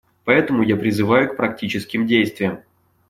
Поэтому я призываю к практическим действиям.